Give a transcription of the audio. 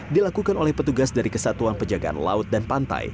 dilakukan oleh petugas dari kesatuan penjagaan laut dan pantai